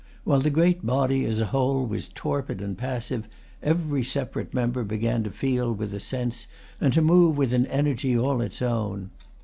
While the great body, as a whole, was torpid and passive, every separate member began to feel with a sense and to move with an energy all its own.